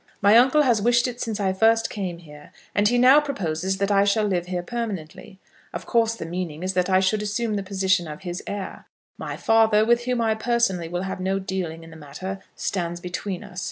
My uncle has wished it since I first came here, and he now proposes that I shall live here permanently. Of course the meaning is that I should assume the position of his heir. My father, with whom I personally will have no dealing in the matter, stands between us.